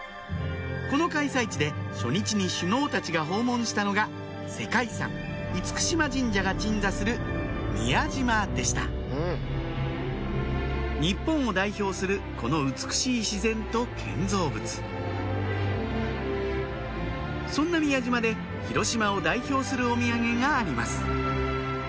この開催地で初日に首脳たちが訪問したのが世界遺産嚴島神社が鎮座する宮島でした日本を代表するこの美しい自然と建造物そんな宮島で広島を代表するお土産があります